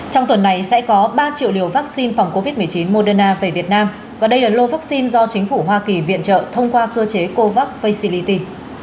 trong tuần này sẽ có ba triệu liều vaccine phòng covid một mươi chín moderna về việt nam và đây là lô vaccine do chính phủ hoa kỳ viện trợ thông qua cơ chế covax facility